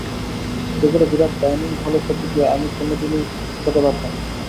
দুপুরে বিরাট ডাইনিং হলে খেতে গিয়ে আমি কোনো দিনই খেতে পারতাম না।